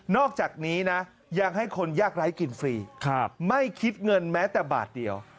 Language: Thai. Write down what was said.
อกจากนี้นะยังให้คนยากไร้กินฟรีไม่คิดเงินแม้แต่บาทเดียว